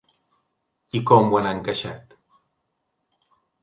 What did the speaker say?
I com ho han encaixat?